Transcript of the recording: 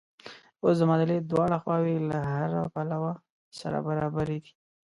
اوس د معادلې دواړه خواوې له هره پلوه سره برابرې دي.